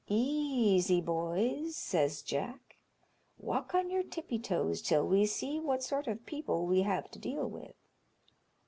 "Easy, boys!" says Jack; "walk on your tippy toes till we see what sort of people we have to deal with."